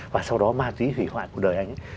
và sau đó ma tí hủy hoại cuộc đời anh ấy